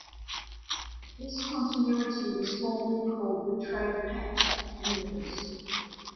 This continuity was formerly called the Trade Pact Universe.